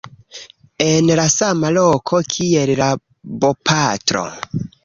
en la sama loko kiel la bopatro